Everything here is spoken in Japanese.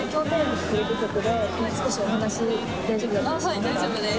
・はい大丈夫です。